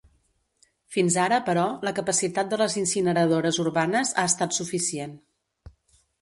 Fins ara, però, la capacitat de les incineradores urbanes ha estat suficient.